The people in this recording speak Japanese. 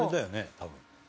多分。